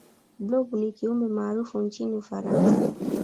blob ni kiumbe maarufu nchini ufaransa